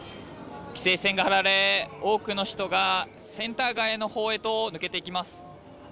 規制線が張られ、多くの人がセンター街のほうへと抜けていきます。